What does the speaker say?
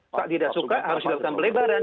suka tidak suka harus dilakukan pelebaran